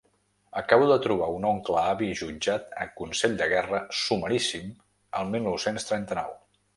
Acabo de trobar un oncle avi jutjat a consell de guerra sumaríssim el mil nou-cents trenta-nou.